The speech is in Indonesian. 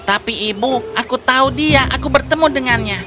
tapi ibu aku tahu dia aku bertemu dengannya